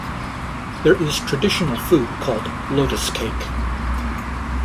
There is traditional food called "lotus cake".